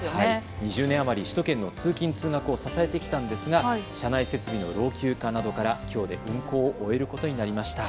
２０年余り首都圏の通勤通学を支えてきたんですが車内設備の老朽化などから、きょうで運行を終えることになりました。